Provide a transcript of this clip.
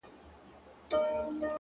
په خــــنــدا كيــسـه شـــــروع كړه ـ